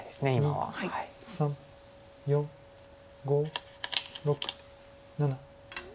４５６７。